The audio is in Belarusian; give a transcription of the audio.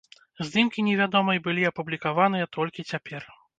Здымкі невядомай былі апублікаваныя толькі цяпер.